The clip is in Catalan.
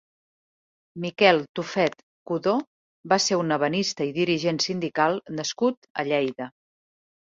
Miquel Tufet Codó va ser un ebenista i dirigent sindical nascut a Lleida.